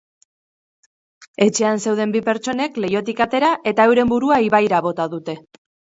Etxean zeuden bi pertsonek leihotik atera eta euren burua ibaira bota dute.